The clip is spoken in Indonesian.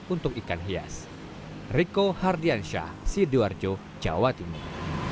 untuk ikan hias rico hardyansyah sidoarjo jawa timur